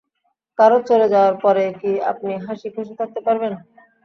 কারো চলে যাওয়ার পরে কি আপনি হাসি খুশি থাকতে পারবেন?